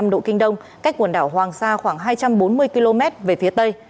một trăm linh độ kinh đông cách quần đảo hoàng sa khoảng hai trăm bốn mươi km về phía tây